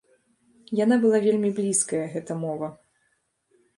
Яна была вельмі блізкая, гэта мова.